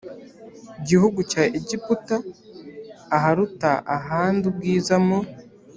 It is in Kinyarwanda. gihugu cya egiputa aharuta ahandi ubwiza mu